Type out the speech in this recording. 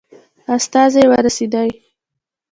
استازی ورسېدی.